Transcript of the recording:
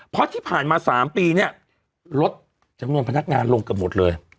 เพราะที่ผ่านมา๓ปีเนี่ยลดจำนวนพนักงานลงเกือบหมดเลย